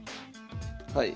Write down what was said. はい。